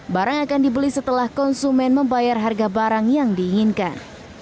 barang akan dibeli setelah konsumen membayar harga barang yang diinginkan